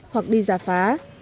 hoặc đi giả phá